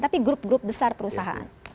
tapi grup grup besar perusahaan